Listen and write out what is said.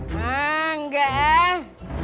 haa enggak ah